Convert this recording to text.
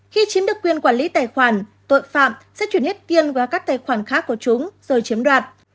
khi chiếm được quyền quản lý tài khoản tội phạm sẽ chuyển hết kiên qua các tài khoản khác của chúng rồi chiếm đoạt